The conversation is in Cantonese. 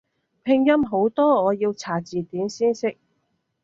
拼音好多我要查字典先識